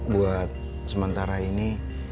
buat sementara ini